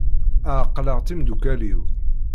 Ɛeqleɣ timeddukal-iw.